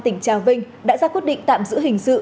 tỉnh trà vinh đã ra quyết định tạm giữ hình sự